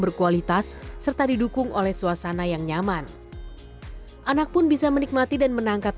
berkualitas serta didukung oleh suasana yang nyaman anak pun bisa menikmati dan menangkap